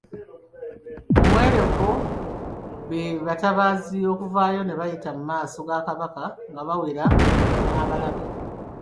Omwoleko be batabaazi okuvaayo ne bayita mu maaso ga Kabaka nga bawera n'abalaba.